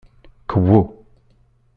Kwu.